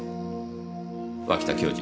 脇田教授